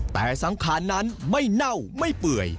แต่สังขารนั้นไม่เน่าไม่เปื่อย